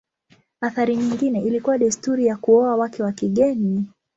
Athari nyingine ilikuwa desturi ya kuoa wake wa kigeni.